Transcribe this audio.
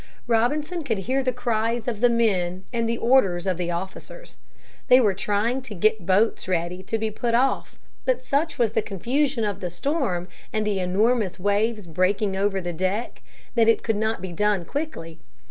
Robinson could hear the cries of the men and the orders of the officers. They were trying to get boats ready to put off, but such was the confusion of the storm and the enormous waves breaking over the deck that it could not be done quickly.